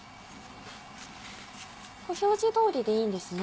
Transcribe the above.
これ表示通りでいいんですね？